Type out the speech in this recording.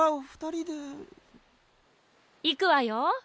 いくわよ。